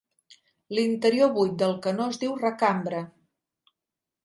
L'interior buit del canó es diu "recambra".